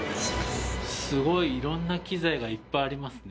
すごいいろんな機材がいっぱいありますね。